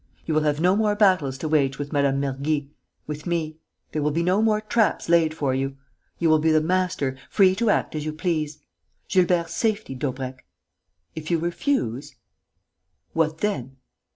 You will have no more battles to wage with Mme. Mergy, with me; there will be no more traps laid for you. You will be the master, free to act as you please. Gilbert's safety, Daubrecq! If you refuse...." "What then?"